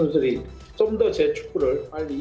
dan saya juga bisa memperbaiki kemahiran saya